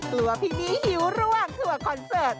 ตัวพี่นี้หิวระหว่างทัวร์คอนเสิร์ต